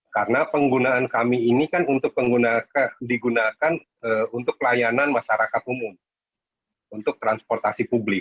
karena penggunaan kami ini kan untuk digunakan untuk pelayanan masyarakat umum untuk transportasi publik